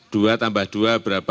dua tambah dua berapa